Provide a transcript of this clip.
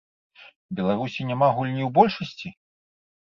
Беларусі няма гульні ў большасці?